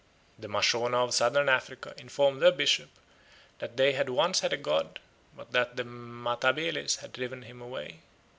The Mashona of Southern Africa informed their bishop that they had once had a god, but that the Matabeles had driven him away.